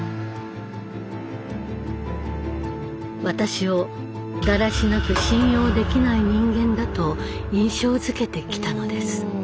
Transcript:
私をだらしなく信用できない人間だと印象づけてきたのです。